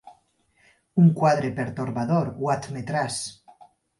Un quadre pertorbador, ho admetràs.